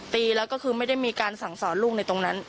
ตีแล้วก็คือไม่ได้มีการสั่งสอนลูกในตรงนั้น